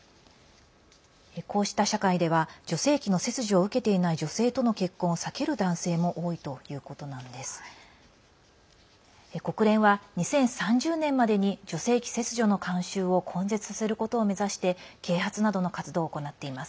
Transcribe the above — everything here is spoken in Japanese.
こうした社会では女性器の切除を受けていない女性との結婚を避ける男性も多いということなんです。